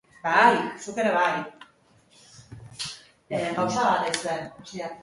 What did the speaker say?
Tumorea ona den arren, karotida-arteriara hedatzeko arriskua zegoen.